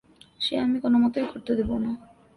সে আমি কোনোমতেই ঘটতে দেব না।